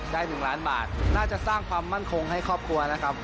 ได้๑ล้านบาทน่าจะสร้างความมั่นคงให้ครอบครัวนะครับ